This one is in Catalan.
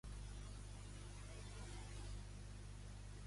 Quantes obres havia compost, Christoph Willibald Gluck, abans que aquesta?